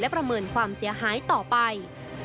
ประเมินความเสียหายต่อไป